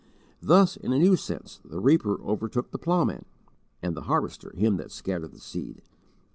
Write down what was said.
Thus, in a new sense the reaper overtook the ploughman, and the harvester, him that scattered the seed.